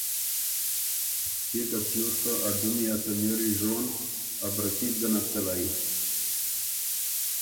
کيې که تیوس خه ا ډُمی ا څمئری ژون، ا بره کي بو ګۀ نک څلئ